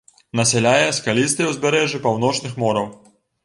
Насяляе скалістыя ўзбярэжжы паўночных мораў.